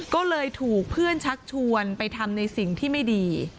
ก็เลยถูกเพื่อนชักชวนไปทำในสิ่งที่ไม่ดี